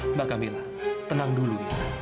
mbak camilla tenang dulu